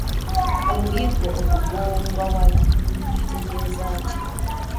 Omuyiggo okugombawala kitegeeza ki?